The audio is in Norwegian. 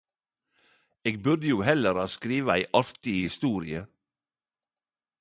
Eg burde jo heller ha skrive ei artig historie!